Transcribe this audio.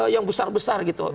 yang besar besar gitu